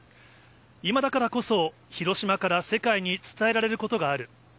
今だからこそ、広島から世界に伝えられることがある。